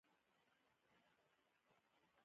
د ګابون متل وایي د مرګ وروسته سړی جرأت پیدا کوي.